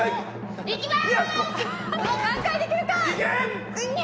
いきます！